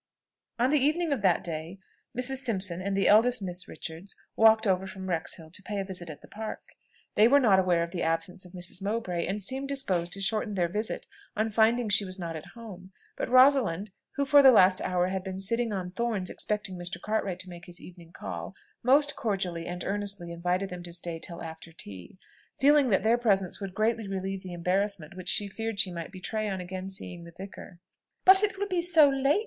On the evening of that day, Mrs. Simpson and the eldest Miss Richards walked over from Wrexhill to pay a visit at the Park. They were not aware of the absence of Mrs. Mowbray, and seemed disposed to shorten their visit on finding she was not at home; but Rosalind, who for the last hour had been sitting on thorns expecting Mr. Cartwright to make his evening call, most cordially and earnestly invited them to stay till after tea, feeling that their presence would greatly relieve the embarrassment which she feared she might betray on again seeing the vicar. "But it will be so late!"